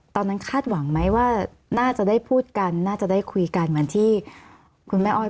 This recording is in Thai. คาดหวังไหมว่าน่าจะได้พูดกันน่าจะได้คุยกันเหมือนที่คุณแม่อ้อย